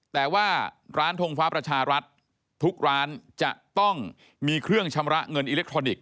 แต่ว่าร้านทงฟ้าประชารัฐทุกร้านจะต้องมีเครื่องชำระเงินอิเล็กทรอนิกส